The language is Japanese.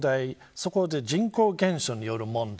そこで人口減少による問題